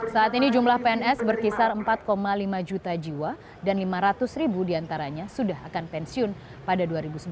saat ini jumlah pns berkisar empat lima juta jiwa dan lima ratus ribu diantaranya sudah akan pensiun pada dua ribu sembilan belas